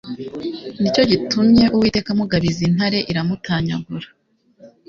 Ni cyo gitumye Uwiteka amugabiza intare iramutanyagura